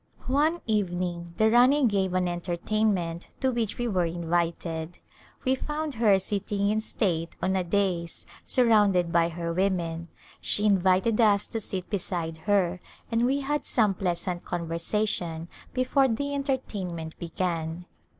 One evening the Rani gave an entertainment to which we were invited. We found her sitting in state on a dais surrounded by her women ; she invited us to sit beside her and we had some pleasant conver sation before the entertainment began.